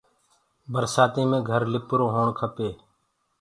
برسآتيٚ مي گھر لِپرو هوڻ کپي۔